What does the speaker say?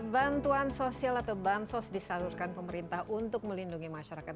bantuan sosial disalurkan pemerintah untuk melindungi masyarakat